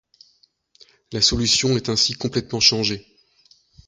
La solution est ainsi complètement changée.